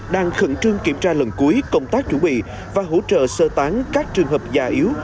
đang khẩn trương kiểm tra lần cuối công tác chuẩn bị và hỗ trợ sơ tán các trường hợp già yếu